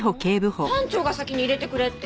班長が先に入れてくれって。